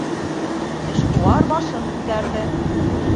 Эшҡыуар башын күтәрҙе.